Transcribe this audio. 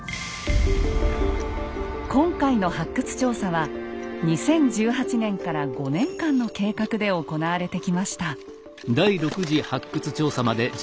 今回の発掘調査は２０１８年から５年間の計画で行われてきました。